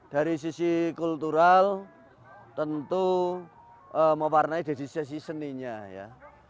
dari sisi kultural tentu memperwarnai dedisiasi seninya